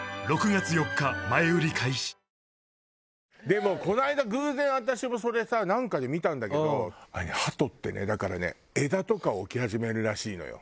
ＪＴでもこの間偶然私もそれさなんかで見たんだけどあれねハトってねだからね枝とか置き始めるらしいのよ